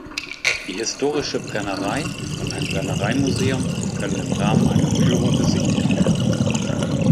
Die historische Brennerei und ein Brennerei-Museum können im Rahmen einer Führung besichtigt werden.